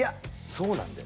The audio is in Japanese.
そうなんだよ。